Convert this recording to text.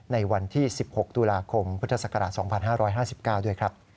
ในวันที่๑๖ตุลาคมพศ๒๕๕๙ด้วยครับ